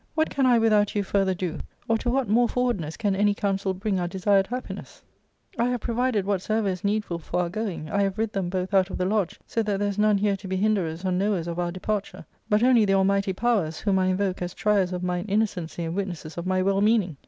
What can I without you further do ; or to what more forwardness can any counsel bring our desired happiness } I have pro vided whatsoever is needful for our going, I have rid them bodi out of the lodge ; so that there is none here to be hin derers or knowers of our departure, but only the almighty powers, whom I invoke as triers of mine innocency and wit nesses of my well meaning.